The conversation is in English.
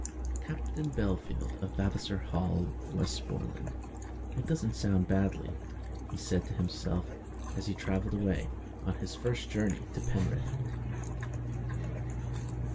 "Captain Bellfield, of Vavasor Hall, Westmoreland. It don't sound badly," he said to himself, as he travelled away on his first journey to Penrith.